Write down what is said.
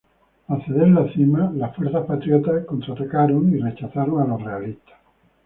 Tras ceder la cima, las fuerzas patriotas contraatacaron y rechazaron a los realistas.